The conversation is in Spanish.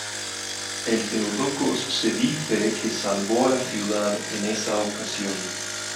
El "Theotokos" se dice que salvó a la ciudad en esa ocasión.